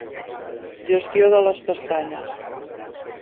Gestió de les pestanyes.